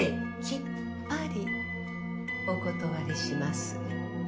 きっぱりお断りします。